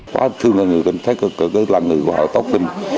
quá thương là người tình thích là người họ tốt tình